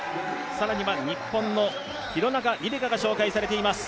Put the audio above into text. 更には日本の廣中璃梨佳が紹介されています。